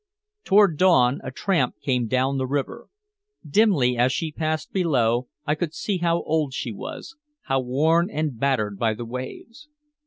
Toward dawn a tramp came down the river. Dimly as she passed below I could see how old she was, how worn and battered by the waves.